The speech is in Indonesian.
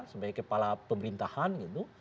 sebagai kepala pemerintahan gitu